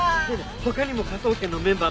他にも科捜研のメンバー